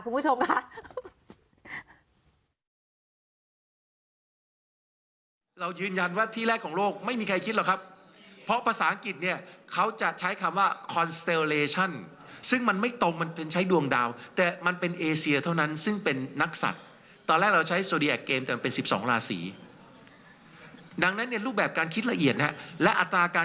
เมื่อกี้ลืมเลยจะพูดว่าอาจารย์ก็บอกว่าจริงแล้วมันก็ถูกยาก